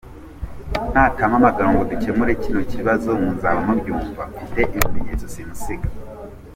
Natampamagara ngo dukemure kino kibazo muzaba mubyumva, mfite ibimenyetso simusiga.